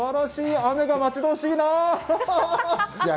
雨が待ち遠しいな！